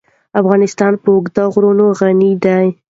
افغانستان په اوږده غرونه غني دی.